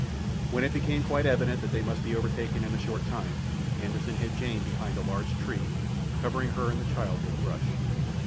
When it became quite evident that they must be overtaken in a short time Anderssen hid Jane behind a large tree, covering her and the child with brush.